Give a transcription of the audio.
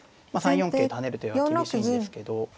３四桂と跳ねる手は厳しいんですけど。